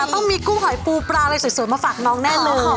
ต้องมีกุ้งหอยปูปลาอะไรสวยมาฝากน้องแน่นอน